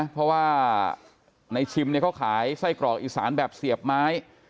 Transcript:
เพราะว่าในชิมเขาขายไส้กรอกอีสานแบบเสียบไม้